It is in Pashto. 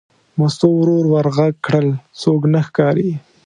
مستو ورو ور غږ کړل: څوک نه ښکاري.